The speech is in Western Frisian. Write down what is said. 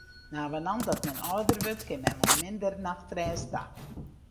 Navenant dat men âlder wurdt, kin men mei minder nachtrêst ta.